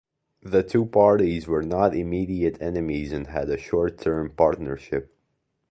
The two parties were not immediate enemies and had short-term partnership.